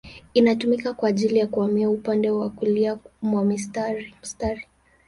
Inatumika kwa ajili ya kuhamia upande wa kulia mwa mstari.